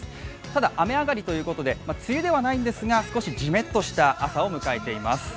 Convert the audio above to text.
ただ雨上がりと言うことで梅雨ではないんですが、少しじめっとした朝を迎えています。